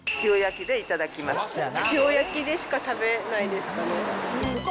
塩焼きでしか食べないですかね。